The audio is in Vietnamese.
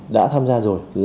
đã tham gia rồi